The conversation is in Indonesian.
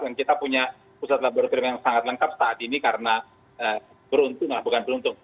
dan kita punya pusat laboratorium yang sangat lengkap saat ini karena beruntung